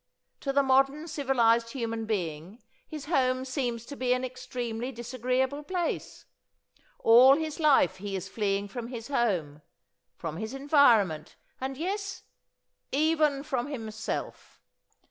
To the modern civilized human being his home seems to be an extremely disagreeable place. All his life he is fleeing from his home, from his environment, and yes! even from himself.